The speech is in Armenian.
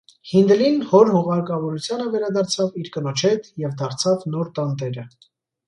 Հինդլին հոր հուղարկավորությանը վերադարձավ իր կնոջ հետ և դարձավ նոր տանտերը։